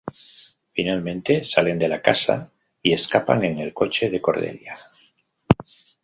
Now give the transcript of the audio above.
Finalmente, salen de la casa y escapan en el coche de Cordelia.